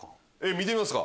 見てみますか。